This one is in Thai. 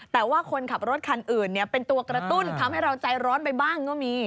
แต่ว่าคนขับรถคันอื่นเป็นตัวกระตุ้นทำให้เราใจร้อนไปบ้างก็มี